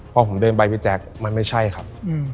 พอผมเดินไปพี่แจ๊คมันไม่ใช่ครับ